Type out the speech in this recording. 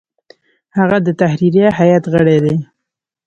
هغه د تحریریه هیئت غړی دی.